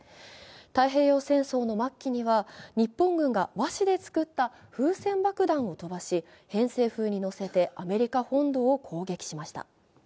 太平洋戦争の末期には、日本軍が和紙で作った風船爆弾を飛ばし、偏西風に乗せてアメリカ本土を攻撃しました。